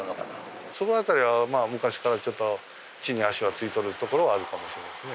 その辺りは昔からちょっと地に足は着いとるところはあるかもしれんね。